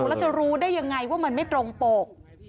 แล้วจะรู้ได้ยังไงว่ามันไม่ตรงปก